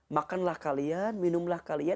makanlah kalian minumlah kalian